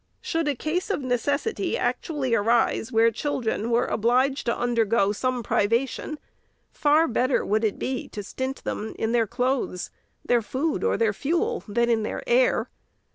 Should a case of necessity actually arise, where children were obliged to undergo some privation, far better would it be to stint them in their clothes, their food, or their fuel, than in their air.